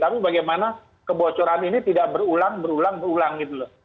tapi bagaimana kebocoran ini tidak berulang ulang gitu loh